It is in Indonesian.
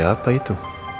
mobil siapa itu